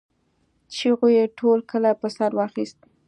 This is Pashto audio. چيغو يې ټول کلی په سر واخيست.